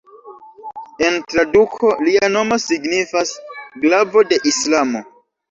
En traduko lia nomo signifas "glavo de Islamo".